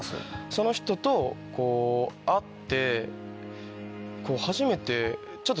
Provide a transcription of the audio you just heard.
その人と会って初めて。